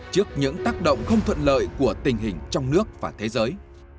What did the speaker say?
trước những tác động không thuận lợi của tình hình trong nước và thế giới